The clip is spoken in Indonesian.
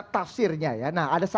tafsirnya ya nah ada